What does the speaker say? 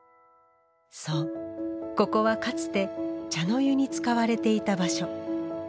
そうここはかつて茶の湯に使われていた場所。